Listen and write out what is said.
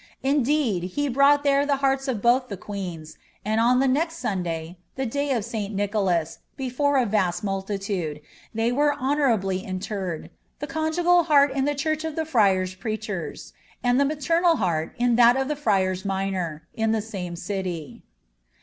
Indeed, he brought there the hearts of both the B ;^ and, on the next Sunday, the day of St Nicholas, before a lultitude, they were honourably interred, the conjugal heart in the i of the Friars Preachers, and the maternal heart in that of the Minors,' in the same city."